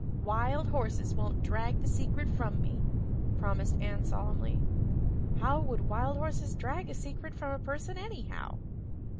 "Wild horses won't drag the secret from me," promised Anne solemnly. "How would wild horses drag a secret from a person anyhow?"